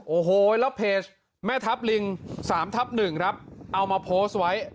โอ้โหแล้วเพจแม่ทัพลิง๓ทับ๑ครับเอามาโพสต์ไว้